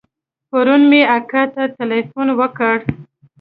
پرون مې اکا ته ټېلفون وکړ.